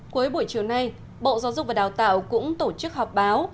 cuối buổi chiều nay bộ giáo dục và đào tạo cũng tổ chức họp báo